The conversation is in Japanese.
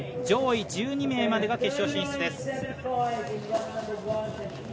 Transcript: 上位１２名までが決勝進出です。